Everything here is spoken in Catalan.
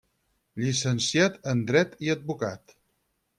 Llicenciat en Dret i Advocat.